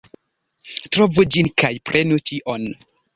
Trovu ĝin kaj prenu ĉion!